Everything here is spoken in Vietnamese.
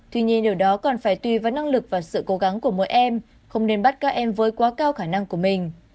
tuy nhiên điều đó còn phải tùy vào năng lực và sự cố gắng của mỗi em không nên bắt các em với quá cao khả năng của mình